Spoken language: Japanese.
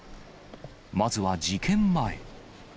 まずは事件前。